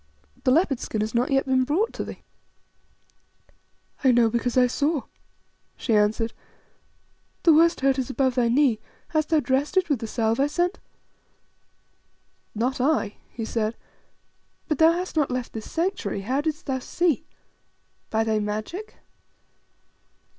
The leopard skin has not yet been brought to thee." "I know because I saw," she answered. "The worst hurt was above thy knee; hast thou dressed it with the salve I sent?" "Not I," he said. "But thou hast not left this Sanctuary; how didst thou see? By thy magic?"